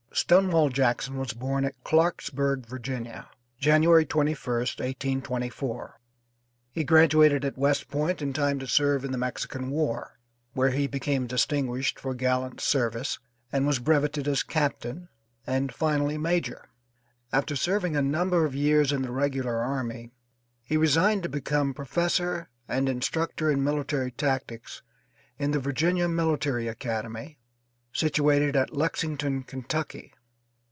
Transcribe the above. Stonewall Jackson was born at Clarksburg, Virginia, January 21st, 1824. He graduated at West Point in time to serve in the Mexican war, where he became distinguished for gallant service and was brevetted as captain, and finally major. After serving a number of years in the regular army he resigned to become professor and instructor in military tactics in the Virginia Military Academy, situated at Lexington, Kentucky.